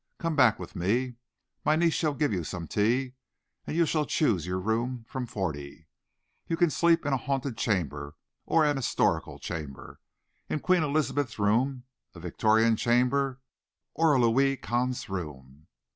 Come back with me. My niece shall give you some tea, and you shall choose your room from forty. You can sleep in a haunted chamber, or a historical chamber, in Queen Elizabeth's room, a Victorian chamber, or a Louis Quinze room.